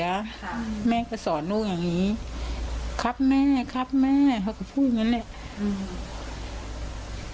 ค่ะแม่ก็สอนลูกอย่างงี้ครับแม่ครับแม่เขาก็พูดเหมือนเนี้ยอืม